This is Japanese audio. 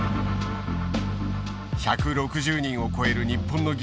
１６０人を超える日本の技術者を雇用。